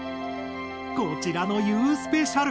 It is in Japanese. こちらの「ユウスペシャル」